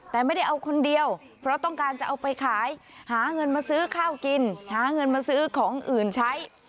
แต่ไม่ได้เอาคนเดียวเพราะต้องการจะเอาไปขายหาเงินมาซื้อข้าวกินหาเงินมาซื้อของอื่นใช้